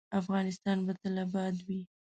افغانستان به تل اباد وي